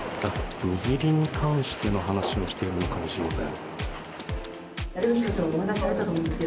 握りに関しての話をしているのかもしれません。